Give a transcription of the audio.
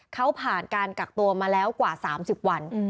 เขาผ่านการกักตัวมาแล้วกว่า๓๐วัน